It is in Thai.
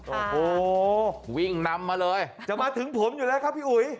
โอ้โหวิ่งนำมาเลยจะมาถึงผมอยู่แล้วครับพี่อุ๋ย